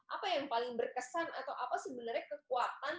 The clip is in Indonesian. apa yang paling berkesan atau apa sebenarnya kekuatan